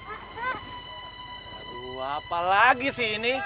aduh apa lagi sih ini